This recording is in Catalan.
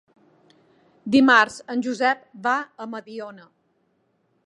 Dimarts en Josep va a Mediona.